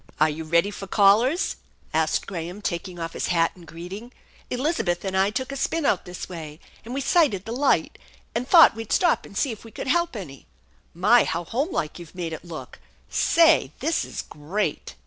"Are you ready for callers ?" asked Graham, taking off hia hat in greeting. " Elizabeth and I took a spin out this way, and we sighted the light, and thought we'd stop and see if wf could help any. My, how homelike you've made it look ! Say, this is great